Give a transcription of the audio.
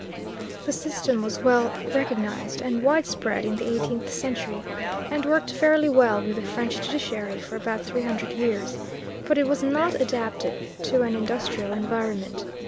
The system was well recognized and widespread in the eighteenth century, and worked fairly well with the French judiciary for about three hundred years, but it was not adapted to an industrial environment.